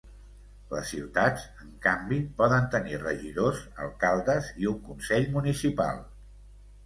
Les ciutats, en canvi, poden tenir regidors, alcaldes i un consell municipal.